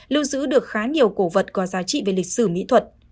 lưu giữ được khá nhiều cổ vật có giá trị về lịch sử mỹ thuật